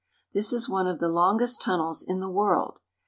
This is one of the longest tunnels in the world.